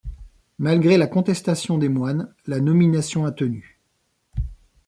Malgré la contestation des moines, la nomination a tenu.